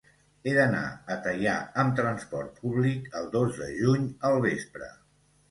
He d'anar a Teià amb trasport públic el dos de juny al vespre.